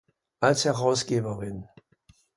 Als Herausgeberin